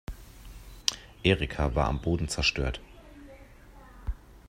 Erika war am Boden zerstört.